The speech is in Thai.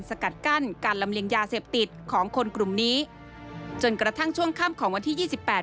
สกัดกั้นการลำเลียงยาเสพติดของคนกลุ่มนี้จนกระทั่งช่วงค่ำของวันที่ยี่สิบแปด